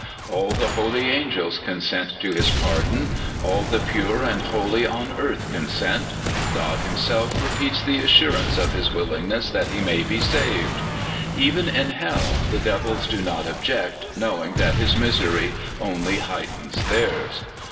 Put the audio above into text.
All the holy angels consent to his par don ; all the pure and holy on earth consent; God himself repeats the assurance of his willingness that he may be saved. Even in hell, the devils do not object, knowing that his misery only heightens theirs.